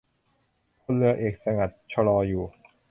พลเรือเอกสงัด ชลออยู่